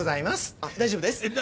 あ大丈夫です。